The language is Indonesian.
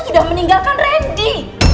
sudah meninggalkan reddy